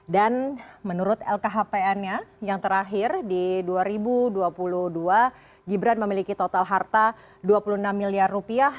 dan menurut lkhpn yang terakhir di dua ribu dua puluh dua gibran memiliki total harta dua puluh enam miliar rupiah